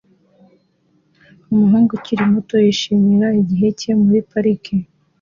Umuhungu ukiri muto yishimira igihe cye muri parike